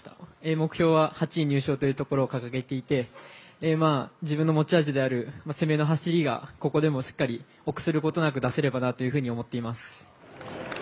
目標は８位入賞というところを掲げていて、自分の持ち味である攻めの走りがここでもしっかり臆することなく出せればなと思っています。